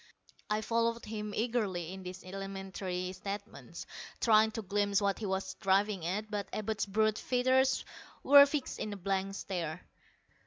I followed him eagerly in these elementary statements, trying to glimpse what he was driving at, but Abud's brute features were fixed in a blank stare.